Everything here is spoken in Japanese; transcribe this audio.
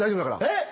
えっ？